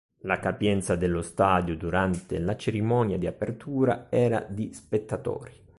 La capienza dello stadio durante la cerimonia di apertura era di spettatori.